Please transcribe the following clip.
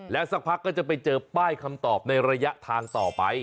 สักพักก็จะไปเจอป้ายคำตอบในระยะทางต่อไป